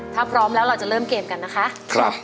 ถ้าพร้อมแล้วเราจะเริ่มเกมกันนะคะ